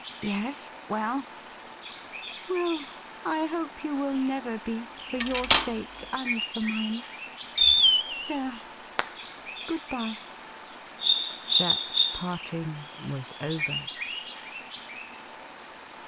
' Yes— well ?'' Well, I hope you will never be, for your sake and for mine. There, good bye.' That parting weis over.